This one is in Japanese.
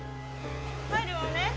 入るわね。